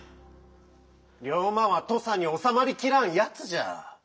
龍馬は土佐におさまりきらんやつじゃ。